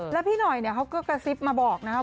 แล้วพี่หน่อยเขาก็กระซิบมาบอกนะครับ